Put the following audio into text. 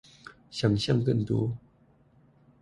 想像更多